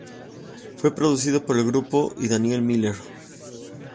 Fue producido por el grupo y Daniel Miller.